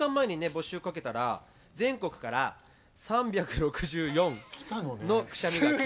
募集かけたら全国から３６４のくしゃみが来ました。